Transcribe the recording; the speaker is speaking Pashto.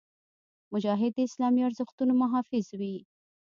مجاهد د اسلامي ارزښتونو محافظ وي.